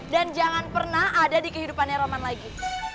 dan jangan pernah ada di kehidupannya roman lagi